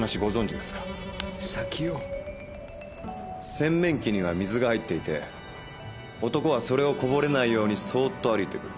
「洗面器には水が入っていて男はそれをこぼれないようにそーっと歩いて来る。